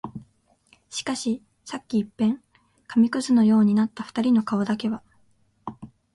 しかし、さっき一片紙屑のようになった二人の顔だけは、